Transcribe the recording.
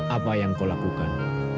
apa yang kau lakukan